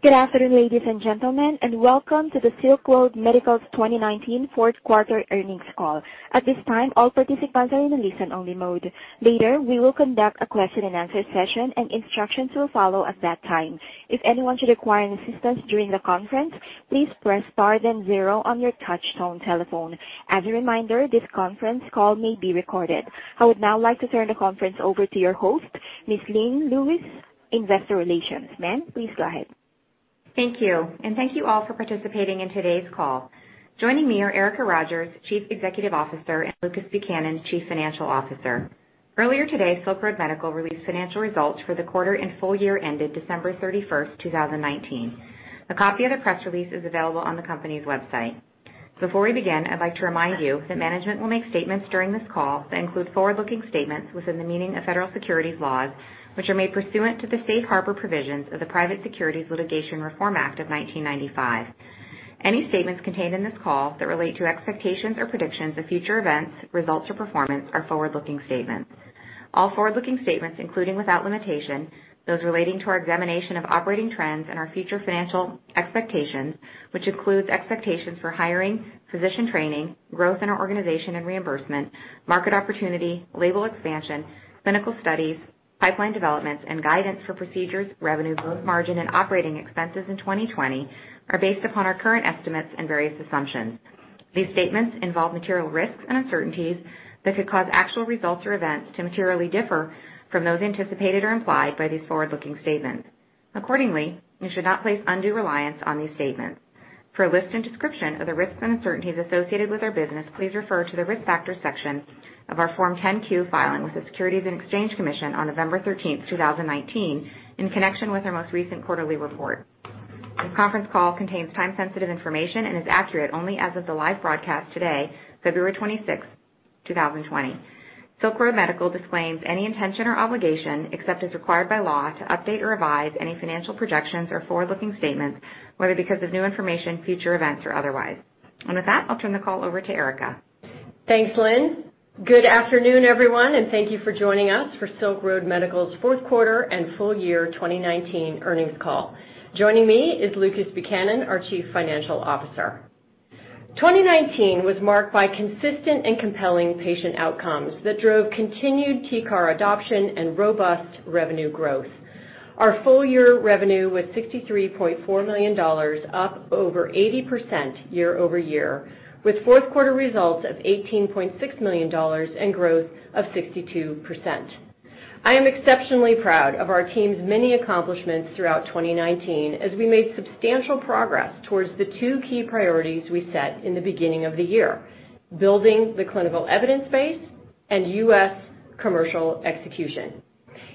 Good afternoon, ladies and gentlemen, and welcome to the Silk Road Medical 2019 fourth quarter earnings call. At this time, all participants are in a listen-only mode. Later, we will conduct a question-and-answer session, and instructions will follow at that time. If anyone should require assistance during the conference, please press star then zero on your touch-tone telephone. As a reminder, this conference call may be recorded. I would now like to turn the conference over to your host, Ms. Lynn Lewis, Investor Relations. Ma'am, please go ahead. Thank you, and thank you all for participating in today's call. Joining me are Erica Rogers, Chief Executive Officer, and Lucas Buchanan, Chief Financial Officer. Earlier today, Silk Road Medical released financial results for the quarter and full year ended December 31, 2019. A copy of the press release is available on the company's website. Before we begin, I'd like to remind you that management will make statements during this call that include forward-looking statements within the meaning of federal securities laws, which are made pursuant to the Safe Harbor Provisions of the Private Securities Litigation Reform Act of 1995. Any statements contained in this call that relate to expectations or predictions of future events, results, or performance are forward-looking statements. All forward-looking statements, including without limitation, those relating to our examination of operating trends and our future financial expectations, which includes expectations for hiring, position training, growth in our organization and reimbursement, market opportunity, label expansion, clinical studies, pipeline developments, and guidance for procedures, revenue, gross margin, and operating expenses in 2020, are based upon our current estimates and various assumptions. These statements involve material risks and uncertainties that could cause actual results or events to materially differ from those anticipated or implied by these forward-looking statements. Accordingly, you should not place undue reliance on these statements. For a list and description of the risks and uncertainties associated with our business, please refer to the risk factors section of our Form 10Q filing with the Securities and Exchange Commission on November 13, 2019, in connection with our most recent quarterly report. This conference call contains time-sensitive information and is accurate only as of the live broadcast today, February 26, 2020. Silk Road Medical disclaims any intention or obligation except as required by law to update or revise any financial projections or forward-looking statements, whether because of new information, future events, or otherwise. With that, I'll turn the call over to Erica. Thanks, Lynn. Good afternoon, everyone, and thank you for joining us for Silk Road Medical's fourth quarter and full year 2019 earnings call. Joining me is Lucas Buchanan, our Chief Financial Officer. 2019 was marked by consistent and compelling patient outcomes that drove continued TCAR adoption and robust revenue growth. Our full year revenue was $63.4 million, up over 80% year over year, with fourth quarter results of $18.6 million and growth of 62%. I am exceptionally proud of our team's many accomplishments throughout 2019 as we made substantial progress towards the two key priorities we set in the beginning of the year: building the clinical evidence base and U.S. commercial execution.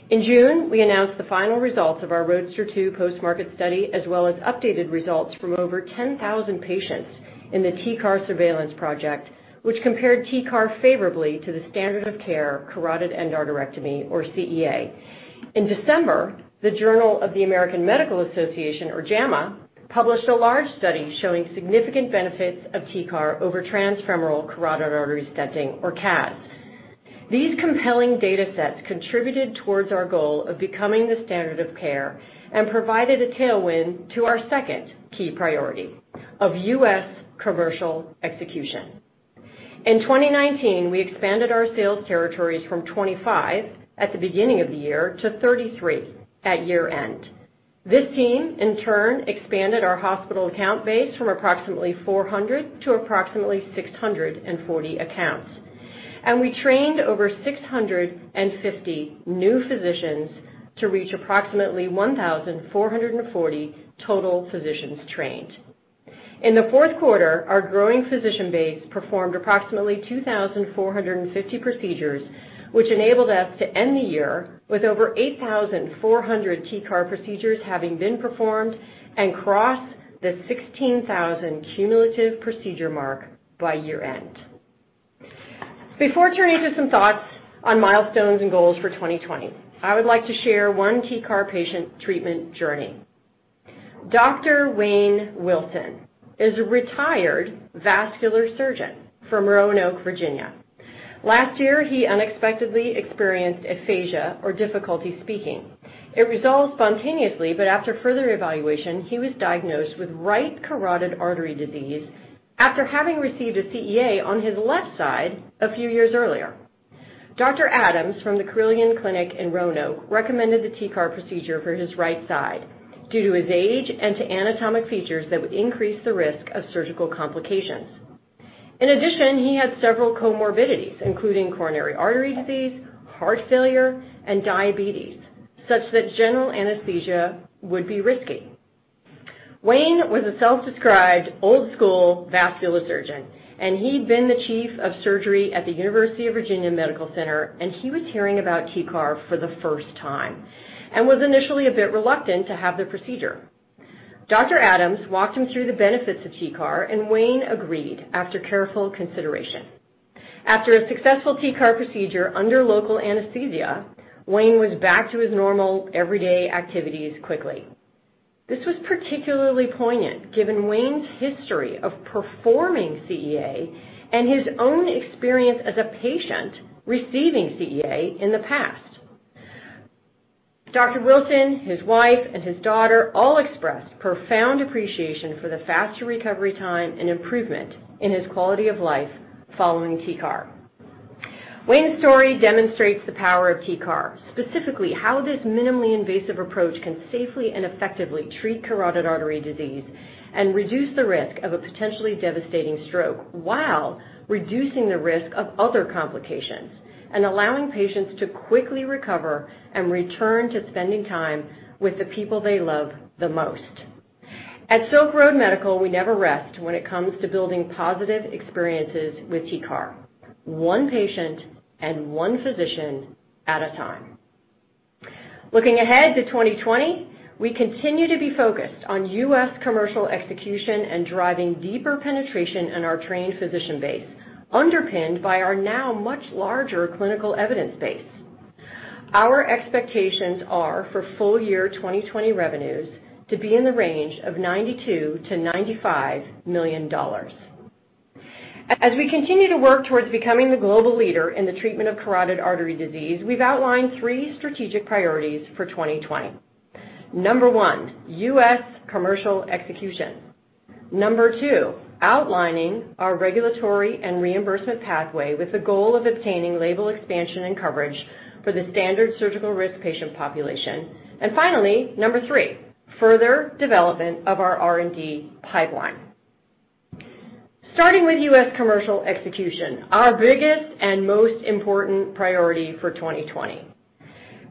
In June, we announced the final results of our Roadster II post-market study, as well as updated results from over 10,000 patients in the TCAR Surveillance Project, which compared TCAR favorably to the standard of care carotid endarterectomy, or CEA. In December, the Journal of the American Medical Association, or JAMA, published a large study showing significant benefits of TCAR over transfemoral carotid artery stenting, or CAS. These compelling data sets contributed towards our goal of becoming the standard of care and provided a tailwind to our second key priority of U.S. commercial execution. In 2019, we expanded our sales territories from 25 at the beginning of the year to 33 at year-end. This team, in turn, expanded our hospital account base from approximately 400 to approximately 640 accounts. We trained over 650 new physicians to reach approximately 1,440 total physicians trained. In the fourth quarter, our growing physician base performed approximately 2,450 procedures, which enabled us to end the year with over 8,400 TCAR procedures having been performed and cross the 16,000 cumulative procedure mark by year-end. Before turning to some thoughts on milestones and goals for 2020, I would like to share one TCAR patient treatment journey. Dr. Wayne Wilson is a retired vascular surgeon from Roanoke, Virginia. Last year, he unexpectedly experienced aphasia or difficulty speaking. It resolved spontaneously, but after further evaluation, he was diagnosed with right carotid artery disease after having received a CEA on his left side a few years earlier. Dr. Adams from the Carilion Clinic in Roanoke recommended the TCAR procedure for his right side due to his age and to anatomic features that would increase the risk of surgical complications. In addition, he had several comorbidities, including coronary artery disease, heart failure, and diabetes, such that general anesthesia would be risky. Wayne was a self-described old-school vascular surgeon, and he'd been the chief of surgery at the University of Virginia Medical Center, and he was hearing about TCAR for the first time and was initially a bit reluctant to have the procedure. Dr. Adams walked him through the benefits of TCAR, and Wayne agreed after careful consideration. After a successful TCAR procedure under local anesthesia, Wayne was back to his normal everyday activities quickly. This was particularly poignant given Wayne's history of performing CEA and his own experience as a patient receiving CEA in the past. Dr. Wilson, his wife, and his daughter all expressed profound appreciation for the faster recovery time and improvement in his quality of life following TCAR. Wayne's story demonstrates the power of TCAR, specifically how this minimally invasive approach can safely and effectively treat carotid artery disease and reduce the risk of a potentially devastating stroke while reducing the risk of other complications and allowing patients to quickly recover and return to spending time with the people they love the most. At Silk Road Medical, we never rest when it comes to building positive experiences with TCAR, one patient and one physician at a time. Looking ahead to 2020, we continue to be focused on U.S. commercial execution and driving deeper penetration in our trained physician base, underpinned by our now much larger clinical evidence base. Our expectations are for full year 2020 revenues to be in the range of $92 million-$95 million. As we continue to work towards becoming the global leader in the treatment of carotid artery disease, we've outlined three strategic priorities for 2020. Number one, U.S. commercial execution. Number two, outlining our regulatory and reimbursement pathway with the goal of obtaining label expansion and coverage for the standard surgical risk patient population. And finally, number three, further development of our R&D pipeline. Starting with U.S. commercial execution, our biggest and most important priority for 2020.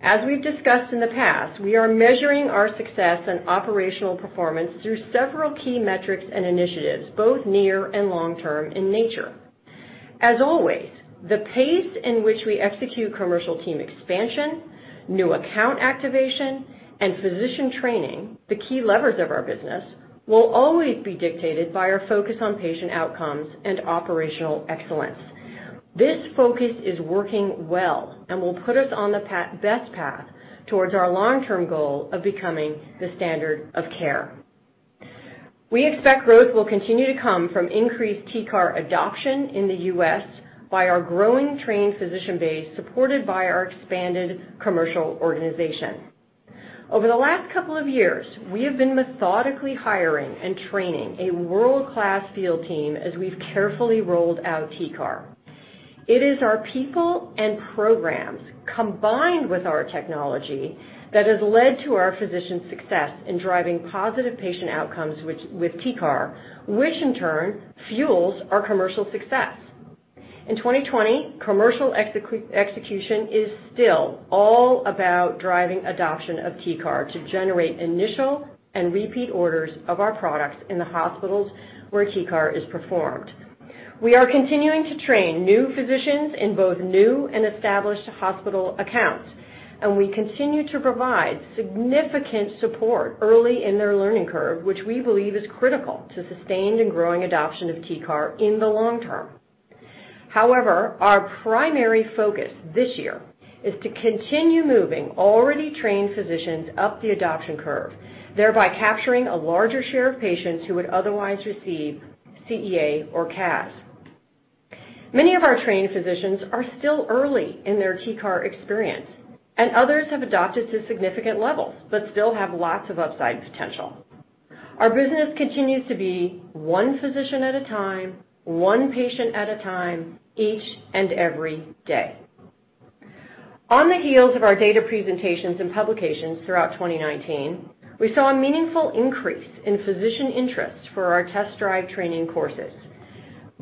As we've discussed in the past, we are measuring our success and operational performance through several key metrics and initiatives, both near and long-term in nature. As always, the pace in which we execute commercial team expansion, new account activation, and physician training, the key levers of our business, will always be dictated by our focus on patient outcomes and operational excellence. This focus is working well and will put us on the best path towards our long-term goal of becoming the standard of care. We expect growth will continue to come from increased TCAR adoption in the U.S. by our growing trained physician base supported by our expanded commercial organization. Over the last couple of years, we have been methodically hiring and training a world-class field team as we've carefully rolled out TCAR. It is our people and programs combined with our technology that has led to our physicians' success in driving positive patient outcomes with TCAR, which in turn fuels our commercial success. In 2020, commercial execution is still all about driving adoption of TCAR to generate initial and repeat orders of our products in the hospitals where TCAR is performed. We are continuing to train new physicians in both new and established hospital accounts, and we continue to provide significant support early in their learning curve, which we believe is critical to sustained and growing adoption of TCAR in the long term. However, our primary focus this year is to continue moving already trained physicians up the adoption curve, thereby capturing a larger share of patients who would otherwise receive CEA or CAS. Many of our trained physicians are still early in their TCAR experience, and others have adopted to significant levels but still have lots of upside potential. Our business continues to be one physician at a time, one patient at a time, each and every day. On the heels of our data presentations and publications throughout 2019, we saw a meaningful increase in physician interest for our test-drive training courses.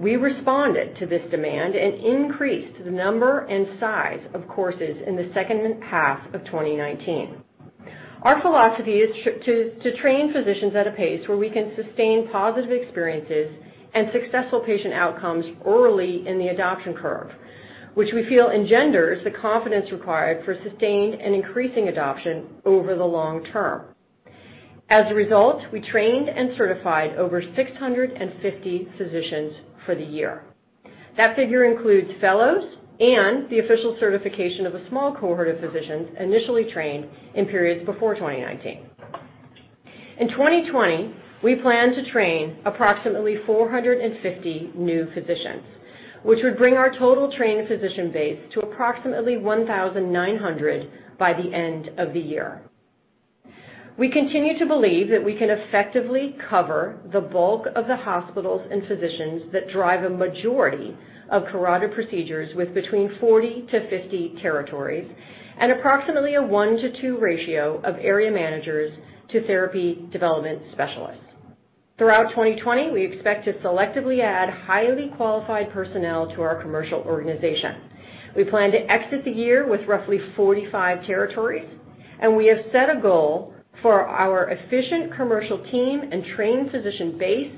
We responded to this demand and increased the number and size of courses in the second half of 2019. Our philosophy is to train physicians at a pace where we can sustain positive experiences and successful patient outcomes early in the adoption curve, which we feel engenders the confidence required for sustained and increasing adoption over the long term. As a result, we trained and certified over 650 physicians for the year. That figure includes fellows and the official certification of a small cohort of physicians initially trained in periods before 2019. In 2020, we plan to train approximately 450 new physicians, which would bring our total trained physician base to approximately 1,900 by the end of the year. We continue to believe that we can effectively cover the bulk of the hospitals and physicians that drive a majority of carotid procedures with between 40-50 territories and approximately a one-to-two ratio of area managers to therapy development specialists. Throughout 2020, we expect to selectively add highly qualified personnel to our commercial organization. We plan to exit the year with roughly 45 territories, and we have set a goal for our efficient commercial team and trained physician base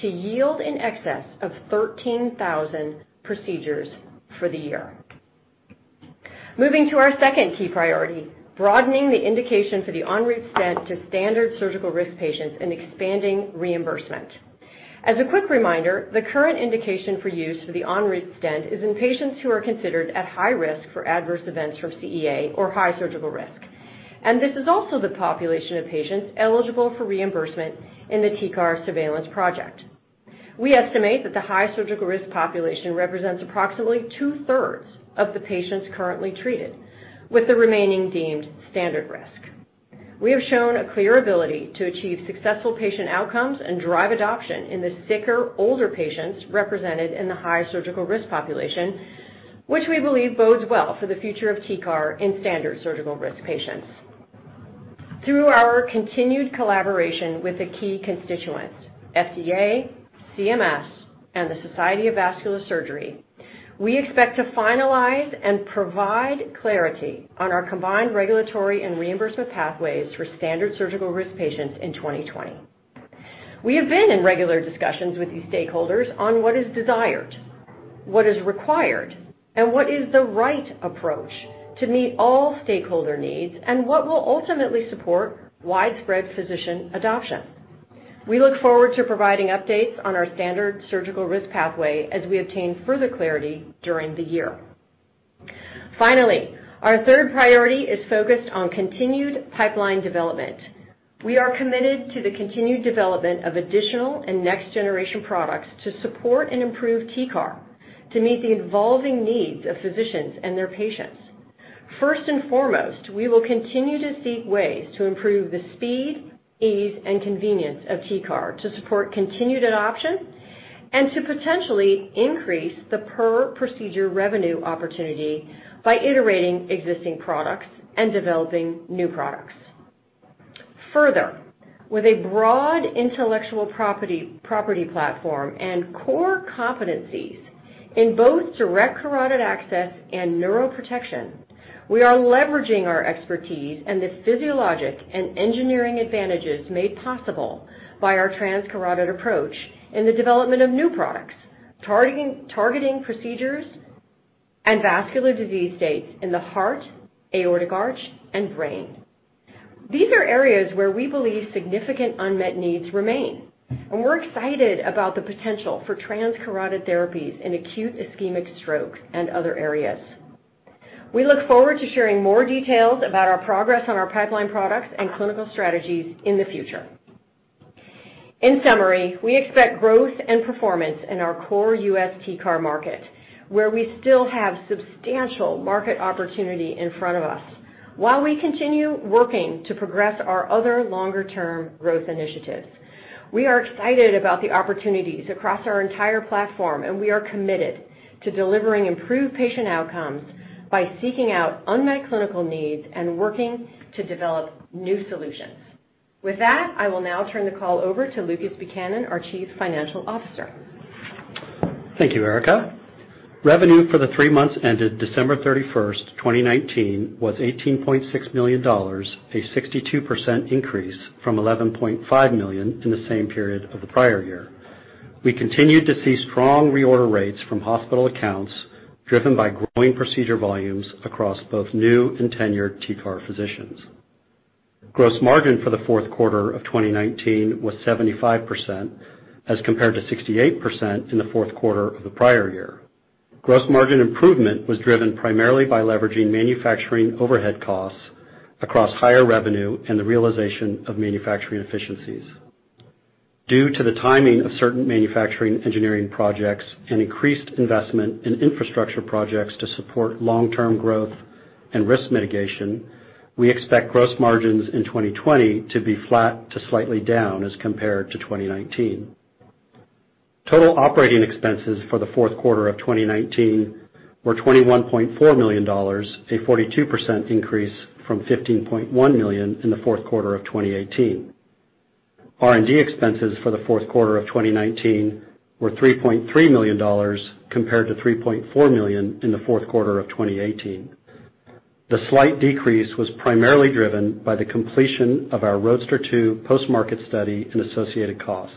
to yield an excess of 13,000 procedures for the year. Moving to our second key priority, broadening the indication for the ENROUTE Stent to standard surgical risk patients and expanding reimbursement. As a quick reminder, the current indication for use for the ENROUTE Stent is in patients who are considered at high risk for adverse events from CEA or high surgical risk. This is also the population of patients eligible for reimbursement in the TCAR Surveillance Project. We estimate that the high surgical risk population represents approximately two-thirds of the patients currently treated, with the remaining deemed standard risk. We have shown a clear ability to achieve successful patient outcomes and drive adoption in the sicker, older patients represented in the high surgical risk population, which we believe bodes well for the future of TCAR in standard surgical risk patients. Through our continued collaboration with the key constituents, FDA, CMS, and the Society of Vascular Surgery, we expect to finalize and provide clarity on our combined regulatory and reimbursement pathways for standard surgical risk patients in 2020. We have been in regular discussions with these stakeholders on what is desired, what is required, and what is the right approach to meet all stakeholder needs and what will ultimately support widespread physician adoption. We look forward to providing updates on our standard surgical risk pathway as we obtain further clarity during the year. Finally, our third priority is focused on continued pipeline development. We are committed to the continued development of additional and next-generation products to support and improve TCAR to meet the evolving needs of physicians and their patients. First and foremost, we will continue to seek ways to improve the speed, ease, and convenience of TCAR to support continued adoption and to potentially increase the per-procedure revenue opportunity by iterating existing products and developing new products. Further, with a broad intellectual property platform and core competencies in both direct carotid access and neuroprotection, we are leveraging our expertise and the physiologic and engineering advantages made possible by our transcarotid approach in the development of new products targeting procedures and vascular disease states in the heart, aortic arch, and brain. These are areas where we believe significant unmet needs remain, and we're excited about the potential for transcarotid therapies in acute ischemic stroke and other areas. We look forward to sharing more details about our progress on our pipeline products and clinical strategies in the future. In summary, we expect growth and performance in our core U.S. TCAR market, where we still have substantial market opportunity in front of us, while we continue working to progress our other longer-term growth initiatives. We are excited about the opportunities across our entire platform, and we are committed to delivering improved patient outcomes by seeking out unmet clinical needs and working to develop new solutions. With that, I will now turn the call over to Lucas Buchanan, our Chief Financial Officer. Thank you, Erica. Revenue for the three months ended December 31, 2019, was $18.6 million, a 62% increase from $11.5 million in the same period of the prior year. We continued to see strong reorder rates from hospital accounts driven by growing procedure volumes across both new and tenured TCAR physicians. Gross margin for the fourth quarter of 2019 was 75% as compared to 68% in the fourth quarter of the prior year. Gross margin improvement was driven primarily by leveraging manufacturing overhead costs across higher revenue and the realization of manufacturing efficiencies. Due to the timing of certain manufacturing engineering projects and increased investment in infrastructure projects to support long-term growth and risk mitigation, we expect gross margins in 2020 to be flat to slightly down as compared to 2019. Total operating expenses for the fourth quarter of 2019 were $21.4 million, a 42% increase from $15.1 million in the fourth quarter of 2018. R&D expenses for the fourth quarter of 2019 were $3.3 million compared to $3.4 million in the fourth quarter of 2018. The slight decrease was primarily driven by the completion of our Roadster II post-market study and associated costs.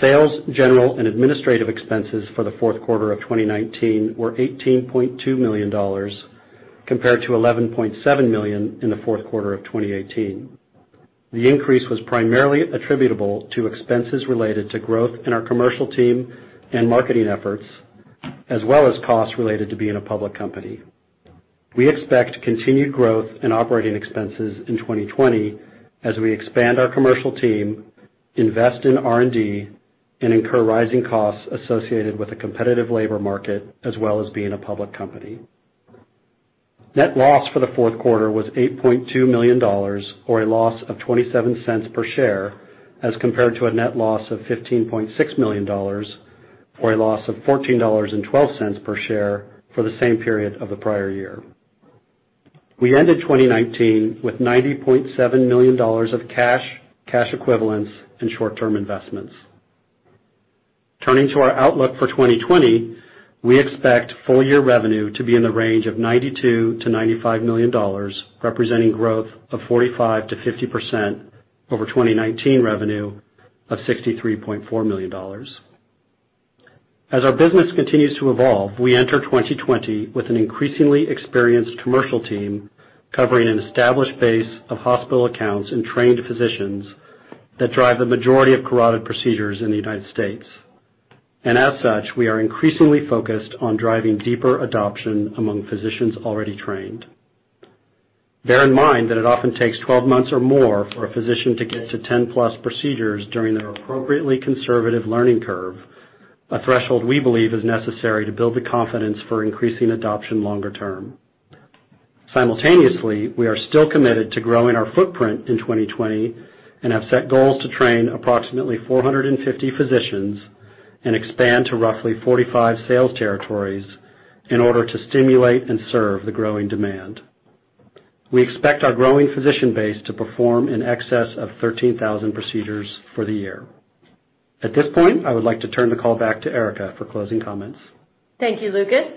Sales, general, and administrative expenses for the fourth quarter of 2019 were $18.2 million compared to $11.7 million in the fourth quarter of 2018. The increase was primarily attributable to expenses related to growth in our commercial team and marketing efforts, as well as costs related to being a public company. We expect continued growth in operating expenses in 2020 as we expand our commercial team, invest in R&D, and incur rising costs associated with a competitive labor market, as well as being a public company. Net loss for the fourth quarter was $8.2 million, or a loss of $0.27 per share, as compared to a net loss of $15.6 million, or a loss of $14.12 per share for the same period of the prior year. We ended 2019 with $90.7 million of cash, cash equivalents, and short-term investments. Turning to our outlook for 2020, we expect full year revenue to be in the range of $92-$95 million, representing growth of 45%-50% over 2019 revenue of $63.4 million. As our business continues to evolve, we enter 2020 with an increasingly experienced commercial team covering an established base of hospital accounts and trained physicians that drive the majority of carotid procedures in the U.S. As such, we are increasingly focused on driving deeper adoption among physicians already trained. Bear in mind that it often takes 12 months or more for a physician to get to 10-plus procedures during their appropriately conservative learning curve, a threshold we believe is necessary to build the confidence for increasing adoption longer term. Simultaneously, we are still committed to growing our footprint in 2020 and have set goals to train approximately 450 physicians and expand to roughly 45 sales territories in order to stimulate and serve the growing demand. We expect our growing physician base to perform in excess of 13,000 procedures for the year. At this point, I would like to turn the call back to Erica for closing comments. Thank you, Lucas.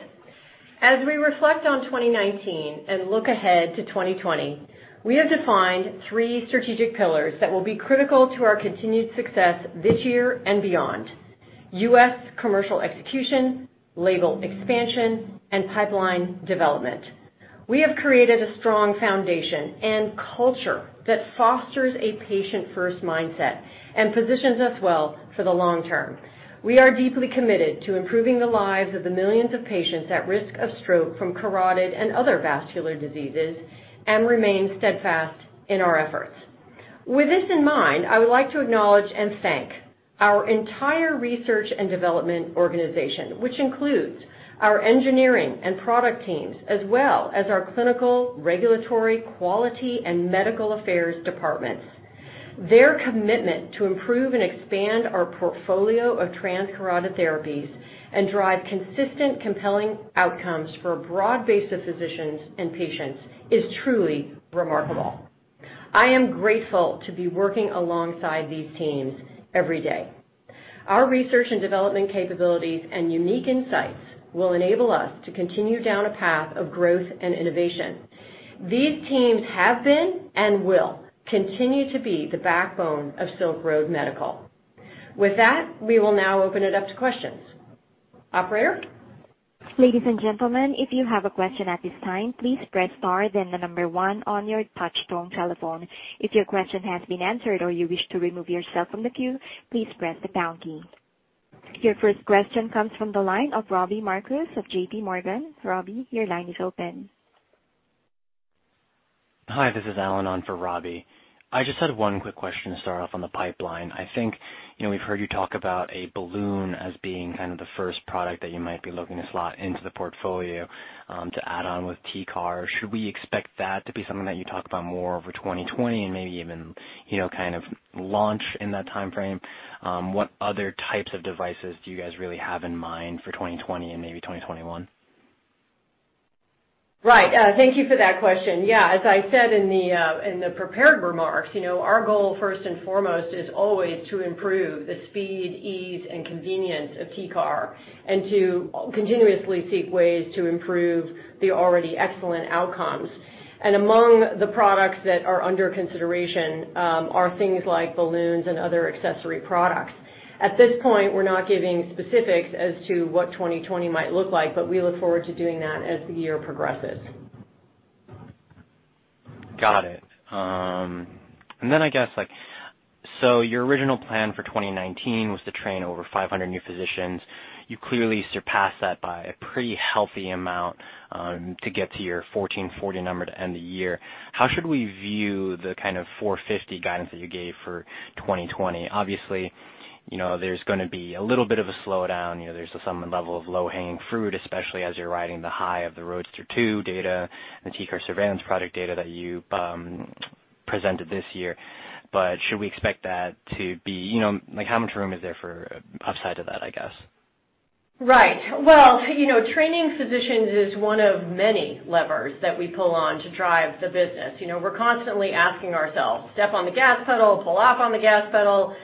As we reflect on 2019 and look ahead to 2020, we have defined three strategic pillars that will be critical to our continued success this year and beyond: U.S. commercial execution, label expansion, and pipeline development. We have created a strong foundation and culture that fosters a patient-first mindset and positions us well for the long term. We are deeply committed to improving the lives of the millions of patients at risk of stroke from carotid and other vascular diseases and remain steadfast in our efforts. With this in mind, I would like to acknowledge and thank our entire research and development organization, which includes our engineering and product teams, as well as our clinical, regulatory, quality, and medical affairs departments. Their commitment to improve and expand our portfolio of transcarotid therapies and drive consistent, compelling outcomes for a broad base of physicians and patients is truly remarkable. I am grateful to be working alongside these teams every day. Our research and development capabilities and unique insights will enable us to continue down a path of growth and innovation. These teams have been and will continue to be the backbone of Silk Road Medical. With that, we will now open it up to questions. Operator? Ladies and gentlemen, if you have a question at this time, please press star, then the number one on your touch-tone telephone. If your question has been answered or you wish to remove yourself from the queue, please press the pound key. Your first question comes from the line of Robbie Marcus of JPMorgan. Robbie, your line is open. Hi, this is Allen on for Robbie. I just had one quick question to start off on the pipeline. I think we've heard you talk about a balloon as being kind of the first product that you might be looking to slot into the portfolio to add on with TCAR. Should we expect that to be something that you talk about more over 2020 and maybe even kind of launch in that time frame? What other types of devices do you guys really have in mind for 2020 and maybe 2021? Right. Thank you for that question. Yeah. As I said in the prepared remarks, our goal, first and foremost, is always to improve the speed, ease, and convenience of TCAR and to continuously seek ways to improve the already excellent outcomes. Among the products that are under consideration are things like balloons and other accessory products. At this point, we're not giving specifics as to what 2020 might look like, but we look forward to doing that as the year progresses. Got it. I guess, so your original plan for 2019 was to train over 500 new physicians. You clearly surpassed that by a pretty healthy amount to get to your 1,440 number to end the year. How should we view the kind of 450 guidance that you gave for 2020? Obviously, there's going to be a little bit of a slowdown. There's some level of low-hanging fruit, especially as you're riding the high of the Roadster II data and the TCAR Surveillance Project data that you presented this year. Should we expect that to be how much room is there for upside to that, I guess? Right. Training physicians is one of many levers that we pull on to drive the business. We're constantly asking ourselves, "Step on the gas pedal, pull up on the gas pedal,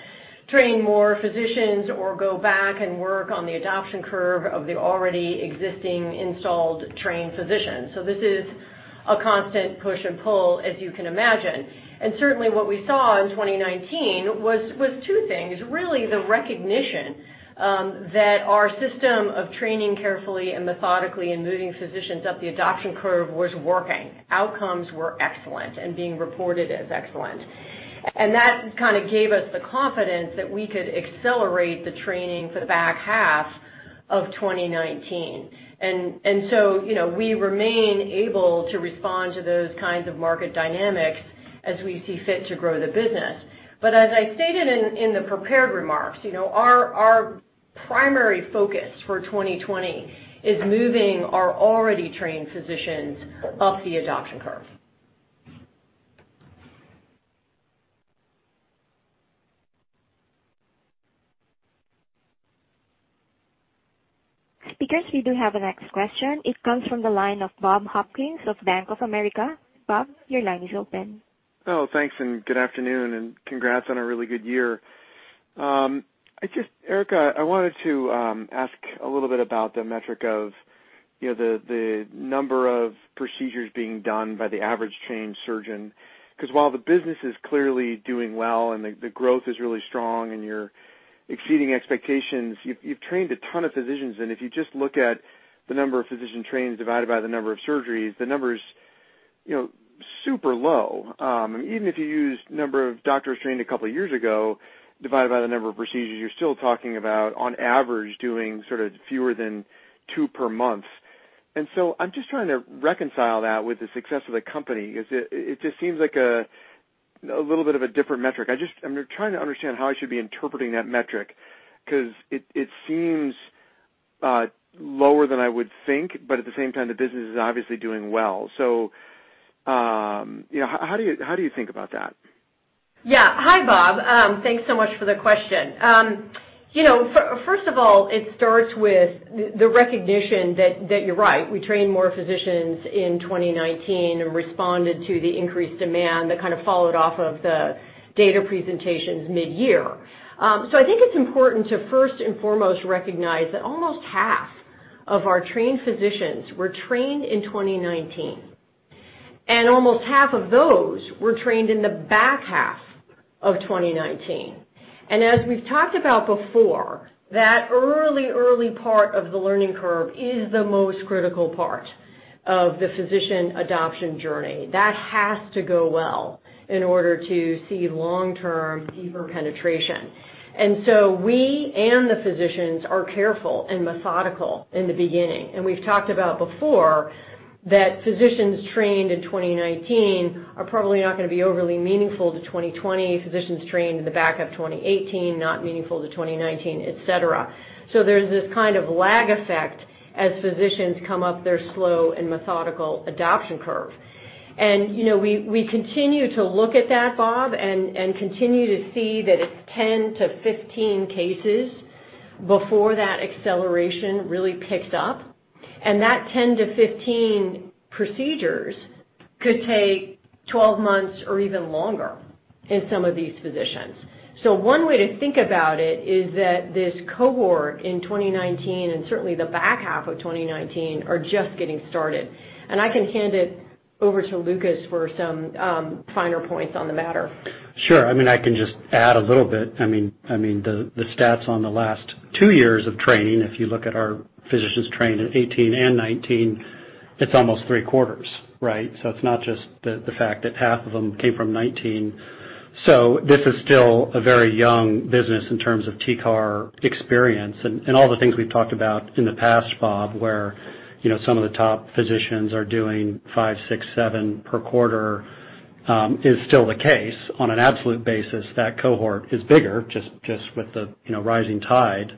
train more physicians, or go back and work on the adoption curve of the already existing installed trained physicians." This is a constant push and pull, as you can imagine. Certainly, what we saw in 2019 was two things. Really, the recognition that our system of training carefully and methodically and moving physicians up the adoption curve was working. Outcomes were excellent and being reported as excellent. That kind of gave us the confidence that we could accelerate the training for the back half of 2019. We remain able to respond to those kinds of market dynamics as we see fit to grow the business. As I stated in the prepared remarks, our primary focus for 2020 is moving our already trained physicians up the adoption curve. Speakers, we do have a next question. It comes from the line of Bob Hopkins of Bank of America. Bob, your line is open. Oh, thanks. Good afternoon. Congrats on a really good year. Erica, I wanted to ask a little bit about the metric of the number of procedures being done by the average trained surgeon. Because while the business is clearly doing well and the growth is really strong and you're exceeding expectations, you've trained a ton of physicians. If you just look at the number of physicians trained divided by the number of surgeries, the number is super low. Even if you use the number of doctors trained a couple of years ago divided by the number of procedures, you're still talking about, on average, doing sort of fewer than two per month. I'm just trying to reconcile that with the success of the company because it just seems like a little bit of a different metric. I'm trying to understand how I should be interpreting that metric because it seems lower than I would think, but at the same time, the business is obviously doing well. How do you think about that? Yeah. Hi, Bob. Thanks so much for the question. First of all, it starts with the recognition that you're right. We trained more physicians in 2019 and responded to the increased demand that kind of followed off of the data presentations mid-year. I think it's important to, first and foremost, recognize that almost half of our trained physicians were trained in 2019. Almost half of those were trained in the back half of 2019. As we've talked about before, that early, early part of the learning curve is the most critical part of the physician adoption journey. That has to go well in order to see long-term deeper penetration. We and the physicians are careful and methodical in the beginning. We've talked about before that physicians trained in 2019 are probably not going to be overly meaningful to 2020, physicians trained in the back of 2018, not meaningful to 2019, etc. There's this kind of lag effect as physicians come up their slow and methodical adoption curve. We continue to look at that, Bob, and continue to see that it is 10-15 cases before that acceleration really picks up. That 10-15 procedures could take 12 months or even longer in some of these physicians. One way to think about it is that this cohort in 2019 and certainly the back half of 2019 are just getting started. I can hand it over to Lucas for some finer points on the matter. Sure. I mean, I can just add a little bit. The stats on the last two years of training, if you look at our physicians trained in 2018 and 2019, it is almost three quarters, right? It is not just the fact that half of them came from 2019. This is still a very young business in terms of TCAR experience. All the things we've talked about in the past, Bob, where some of the top physicians are doing five, six, seven per quarter, is still the case. On an absolute basis, that cohort is bigger just with the rising tide.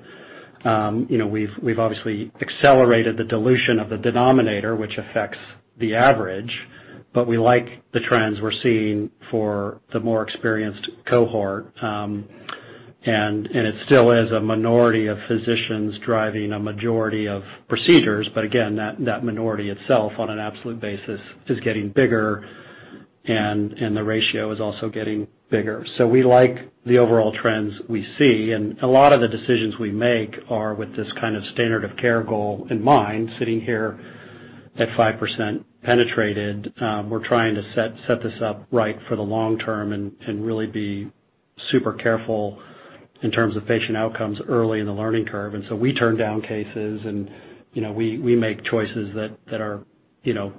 We've obviously accelerated the dilution of the denominator, which affects the average, but we like the trends we're seeing for the more experienced cohort. It still is a minority of physicians driving a majority of procedures. Again, that minority itself, on an absolute basis, is getting bigger, and the ratio is also getting bigger. We like the overall trends we see. A lot of the decisions we make are with this kind of standard of care goal in mind. Sitting here at 5% penetrated, we're trying to set this up right for the long term and really be super careful in terms of patient outcomes early in the learning curve. We turn down cases, and we make choices that are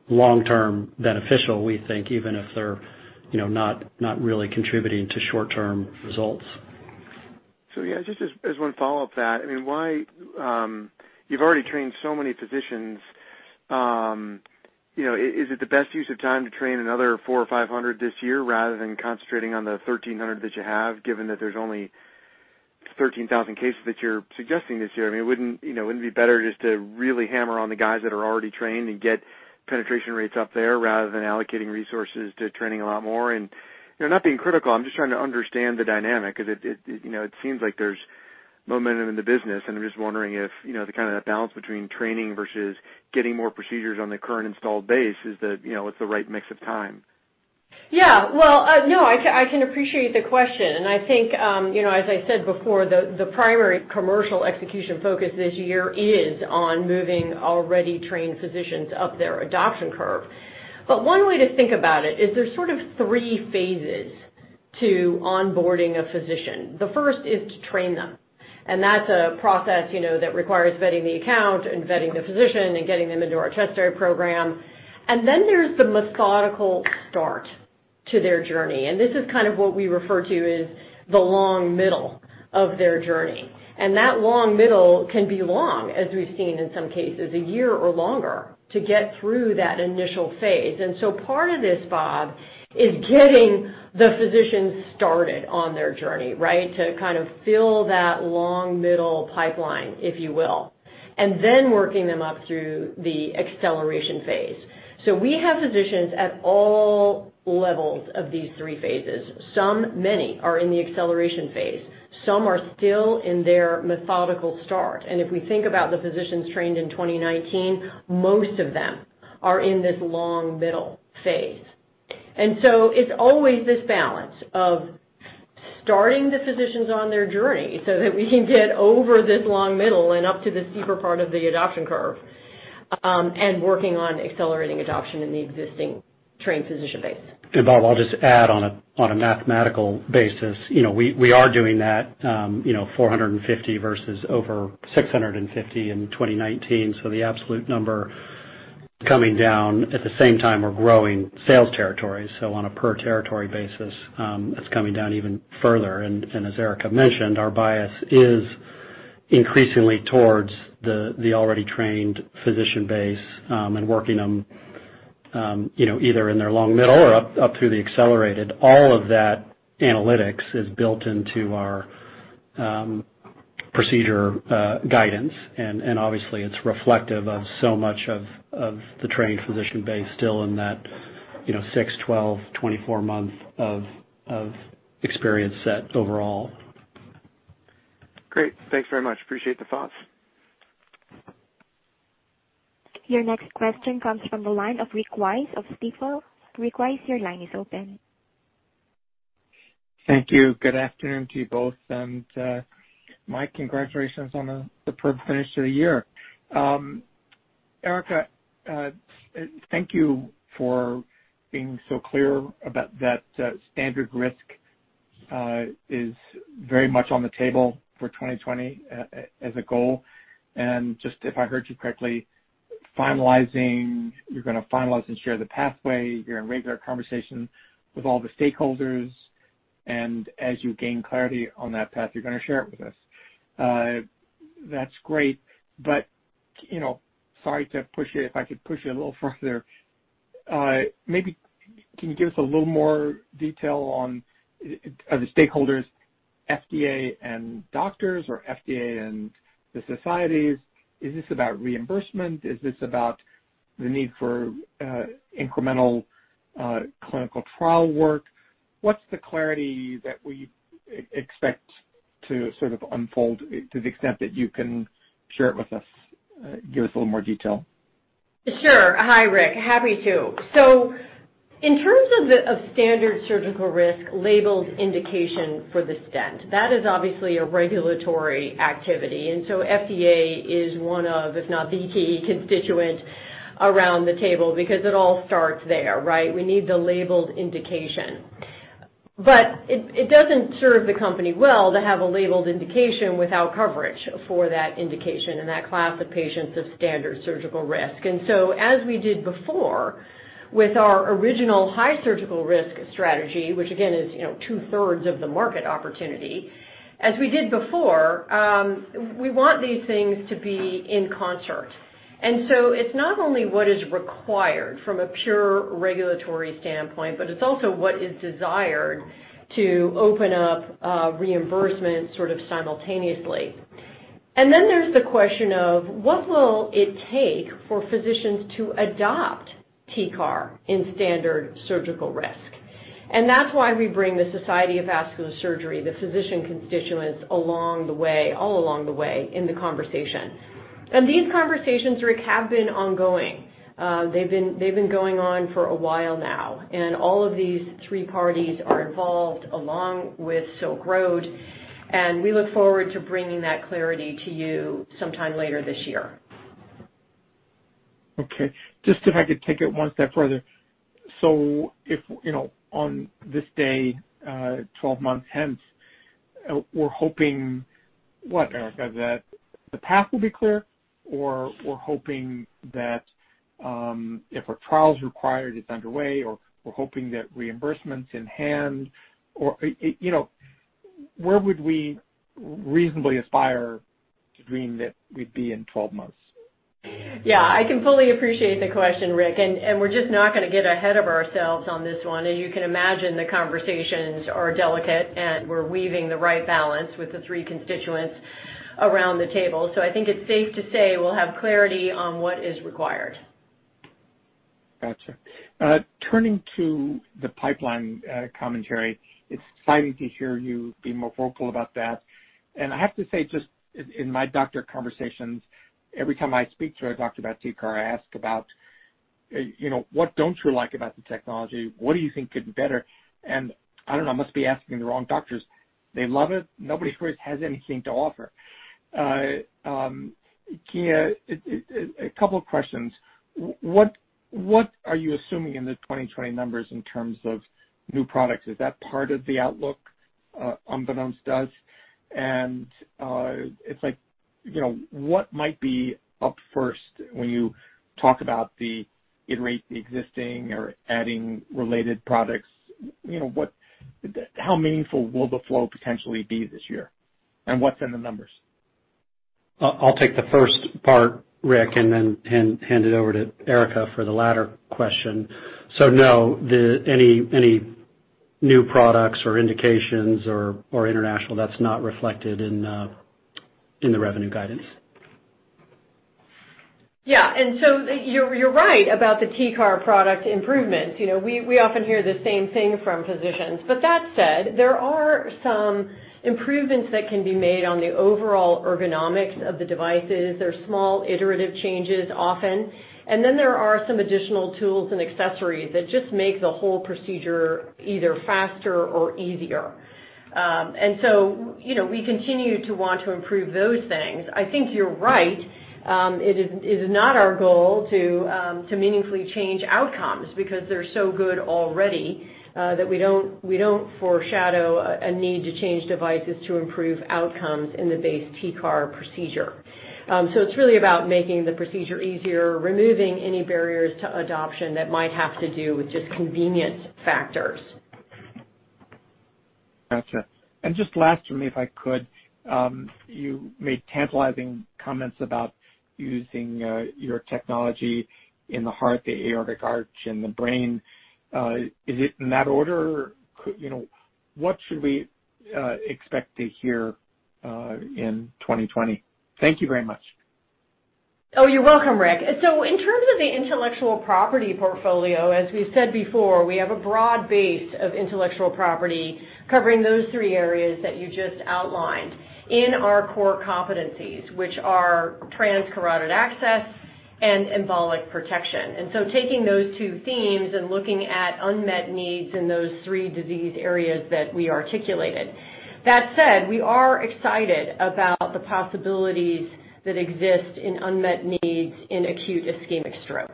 long-term beneficial, we think, even if they're not really contributing to short-term results. Yeah, just as one follow-up to that, I mean, you've already trained so many physicians. Is it the best use of time to train another 400 or 500 this year rather than concentrating on the 1,300 that you have, given that there's only 13,000 cases that you're suggesting this year? I mean, wouldn't it be better just to really hammer on the guys that are already trained and get penetration rates up there rather than allocating resources to training a lot more? Not being critical, I'm just trying to understand the dynamic because it seems like there's momentum in the business. I'm just wondering if the kind of balance between training versus getting more procedures on the current installed base is the right mix of time. Yeah. I can appreciate the question. I think, as I said before, the primary commercial execution focus this year is on moving already trained physicians up their adoption curve. One way to think about it is there's sort of three phases to onboarding a physician. The first is to train them. That's a process that requires vetting the account and vetting the physician and getting them into our test-day program. Then there's the methodical start to their journey. This is kind of what we refer to as the long middle of their journey. That long middle can be long, as we've seen in some cases, a year or longer to get through that initial phase. Part of this, Bob, is getting the physicians started on their journey, right, to kind of fill that long middle pipeline, if you will, and then working them up through the acceleration phase. We have physicians at all levels of these three phases. Many are in the acceleration phase. Some are still in their methodical start. If we think about the physicians trained in 2019, most of them are in this long middle phase. It is always this balance of starting the physicians on their journey so that we can get over this long middle and up to the steeper part of the adoption curve and working on accelerating adoption in the existing trained physician base. Bob, I'll just add on a mathematical basis. We are doing that 450 versus over 650 in 2019. The absolute number is coming down at the same time we're growing sales territories. On a per territory basis, it's coming down even further. As Erica mentioned, our bias is increasingly towards the already trained physician base and working them either in their long middle or up through the accelerated. All of that analytics is built into our procedure guidance. Obviously, it's reflective of so much of the trained physician base still in that 6, 12, 24 months of experience set overall. Great. Thanks very much. Appreciate the thoughts. Your next question comes from the line of Rick Wise of Stifel. Rick, your line is open. Thank you. Good afternoon to you both. Mike, congratulations on the perfect finish to the year. Erica, thank you for being so clear about that standard risk is very much on the table for 2020 as a goal. If I heard you correctly, you're going to finalize and share the pathway. You're in regular conversation with all the stakeholders. As you gain clarity on that path, you're going to share it with us. That's great. Sorry to push you, if I could push you a little further. Maybe can you give us a little more detail on the stakeholders, FDA and doctors or FDA and the societies? Is this about reimbursement? Is this about the need for incremental clinical trial work? What's the clarity that we expect to sort of unfold to the extent that you can share it with us, give us a little more detail? Sure. Hi, Rick. Happy to. In terms of standard surgical risk labeled indication for the stent, that is obviously a regulatory activity. FDA is one of, if not the key constituent around the table because it all starts there, right? We need the labeled indication. It does not serve the company well to have a labeled indication without coverage for that indication and that class of patients of standard surgical risk. As we did before with our original high surgical risk strategy, which again is two-thirds of the market opportunity, as we did before, we want these things to be in concert. It is not only what is required from a pure regulatory standpoint, but it is also what is desired to open up reimbursement sort of simultaneously. Then there is the question of what will it take for physicians to adopt TCAR in standard surgical risk? That is why we bring the Society of Vascular Surgery, the physician constituents all along the way in the conversation. These conversations, Rick, have been ongoing. They have been going on for a while now. All of these three parties are involved along with Silk Road. We look forward to bringing that clarity to you sometime later this year. Okay. If I could take it one step further. On this day, 12 months hence, we are hoping, what, Erica, that the path will be clear or we are hoping that if a trial is required, it is underway, or we are hoping that reimbursement is in hand? Where would we reasonably aspire to dream that we would be in 12 months? Yeah. I can fully appreciate the question, Rick. We are just not going to get ahead of ourselves on this one. As you can imagine, the conversations are delicate, and we're weaving the right balance with the three constituents around the table. I think it's safe to say we'll have clarity on what is required. Gotcha. Turning to the pipeline commentary, it's exciting to hear you be more vocal about that. I have to say, just in my doctor conversations, every time I speak to a doctor about TCAR, I ask about what don't you like about the technology? What do you think could be better? I don't know, I must be asking the wrong doctors. They love it. Nobody always has anything to offer. A couple of questions. What are you assuming in the 2020 numbers in terms of new products? Is that part of the outlook unbeknownst to us? It's like, what might be up first when you talk about iterating the existing or adding related products? How meaningful will the flow potentially be this year? What's in the numbers? I'll take the first part, Rick, and then hand it over to Erica for the latter question. No, any new products or indications or international, that's not reflected in the revenue guidance. Yeah, you're right about the TCAR product improvements. We often hear the same thing from physicians. That said, there are some improvements that can be made on the overall ergonomics of the devices. There are small iterative changes often. There are some additional tools and accessories that just make the whole procedure either faster or easier. We continue to want to improve those things. I think you're right. It is not our goal to meaningfully change outcomes because they're so good already that we don't foreshadow a need to change devices to improve outcomes in the base TCAR procedure. It is really about making the procedure easier, removing any barriers to adoption that might have to do with just convenience factors. Gotcha. Just last for me, if I could, you made tantalizing comments about using your technology in the heart, the aortic arch, and the brain. Is it in that order? What should we expect to hear in 2020? Thank you very much. Oh, you're welcome, Rick. In terms of the intellectual property portfolio, as we've said before, we have a broad base of intellectual property covering those three areas that you just outlined in our core competencies, which are transcarotid access and embolic protection. Taking those two themes and looking at unmet needs in those three disease areas that we articulated. That said, we are excited about the possibilities that exist in unmet needs in acute ischemic stroke.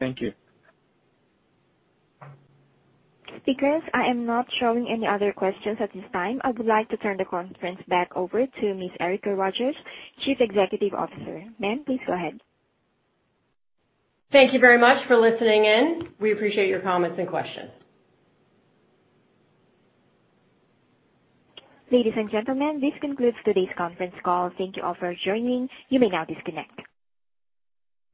Thank you. Because I am not showing any other questions at this time, I would like to turn the conference back over to Ms. Erica Rogers, Chief Executive Officer. Ma'am, please go ahead. Thank you very much for listening in. We appreciate your comments and questions. Ladies and gentlemen, this concludes today's conference call. Thank you all for joining. You may now disconnect.